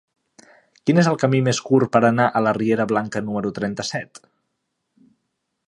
Quin és el camí més curt per anar a la riera Blanca número trenta-set?